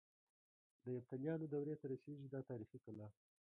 د یفتلیانو دورې ته رسيږي دا تاریخي کلا.